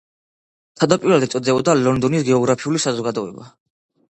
თავდაპირველად ეწოდებოდა „ლონდონის გეოგრაფიული საზოგადოება“.